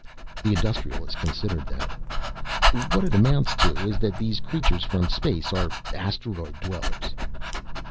The Industrialist considered that. "What it amounts to is that these creatures from space are asteroid dwellers."